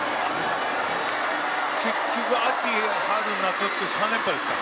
結局、秋、春、夏って３連覇ですか。